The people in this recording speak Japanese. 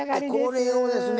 これをですね。